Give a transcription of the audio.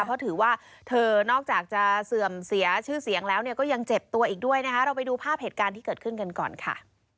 เพราะถือว่าเธอนอกจากจะเสื่อมเสียชื่อเสียงแล้วเนี่ยก็ยังเจ็บตัวอีกด้วยนะคะเราไปดูภาพเหตุการณ์ที่เกิดขึ้นกันก่อนค่ะ